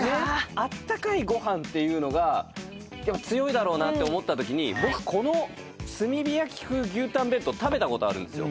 あったかいご飯っていうのが強いだろうなって思ったときに僕この炭火焼風牛たん弁当食べたことあるんですよ。